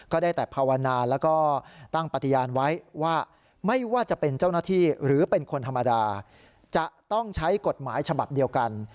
ได้แต่ภาวนาแล้วก็ตั้งปฏิญาณไว้ว่าไม่ว่าจะเป็นเจ้าหน้าที่หรือเป็นคนธรรมดาจะต้องใช้กฎหมายฉบับเดียวกัน